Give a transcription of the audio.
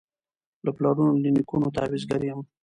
له پلرونو له نیکونو تعویذګر یم